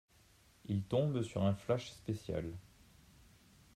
Il tombe sur un flash spécial.